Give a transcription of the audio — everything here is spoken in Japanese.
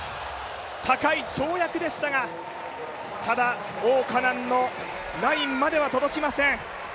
高い跳躍でしたがただ、王嘉男のラインまでは届きません。